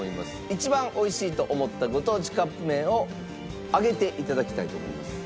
一番美味しいと思ったご当地カップ麺を上げて頂きたいと思います。